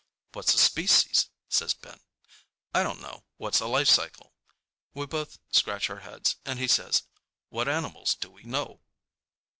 "What's a species?" says Ben. "I don't know. What's a life cycle?" We both scratch our heads, and he says, "What animals do we know?"